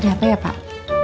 ada apa ya pak